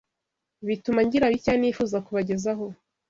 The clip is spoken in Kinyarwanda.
bituma ngira bikeya nifuza kubagezaho.